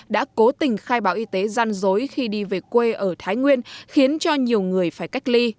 đã cố tình khai báo y tế gian dối khi đi về quê ở thái nguyên khiến cho nhiều người phải cách ly